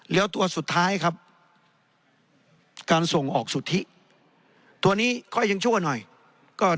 แล้วตัวสุดท้ายครับการส่งออกสุทธิตัวนี้ก็ยังชั่วหน่อยก็